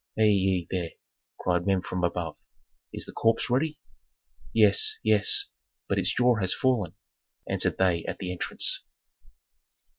"Hei ye, there!" cried men from above. "Is the corpse ready?" "Yes, yes; but its jaw has fallen," answered they at the entrance.